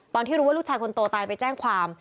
ตอนที่รู้ว่าลูกชายคนโตตายไปแจ้งความ